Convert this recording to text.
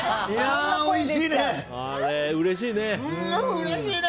うれしいね。